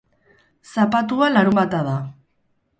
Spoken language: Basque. Zapatua larunbata da.